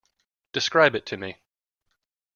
Describe it to me.